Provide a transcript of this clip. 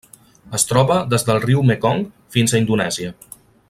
Es troba des del riu Mekong fins a Indonèsia.